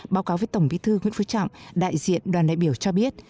báo cáo với tổng bí thư nguyễn phú trọng đại diện đoàn đại biểu cho biết